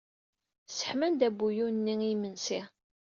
Sseḥman-d abuyun-nni i yimensi.